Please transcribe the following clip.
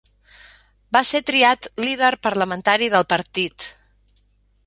Va ser triat líder parlamentari del partit.